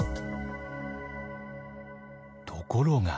ところが。